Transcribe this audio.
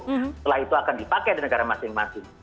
setelah itu akan dipakai di negara masing masing